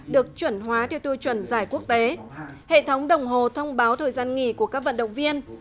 được chuẩn hóa theo tiêu chuẩn giải quốc tế hệ thống đồng hồ thông báo thời gian nghỉ của các vận động viên